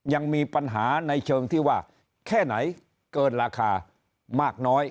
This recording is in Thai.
ยังมีปัญหาในเชิงที่ว่าแค่ไหนเกินราคามากน้อย